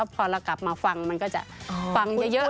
พอเรากลับมาฟังมันก็จะฟังเยอะ